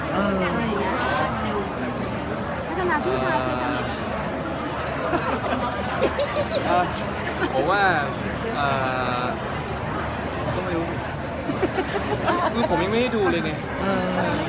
เพราะว่าผมยังไม่ให้ดูเลยเนี่ย